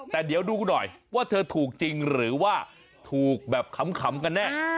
แต่เดี๋ยวดูหน่อยว่าเธอถูกจริงหรือว่าถูกแบบขำกันแน่